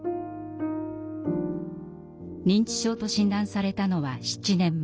認知症と診断されたのは７年前。